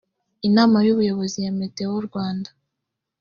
inama y’ubuyobozi ya meteo rwanda